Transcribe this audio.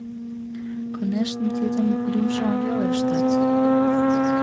Конешне, тидым лӱмжылан веле ыштат.